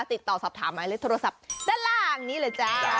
ติดต่อสอบถามไว้ในโทรศัพท์ด้านล่างนี้แหละจ๊ะ